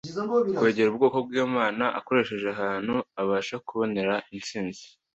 kwegera ubwoko bw’Imana akoresheje ahantu abasha kubonera intsinzi.